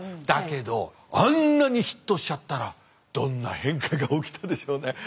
だけどあんなにヒットしちゃったらどんな変化が起きたでしょうね。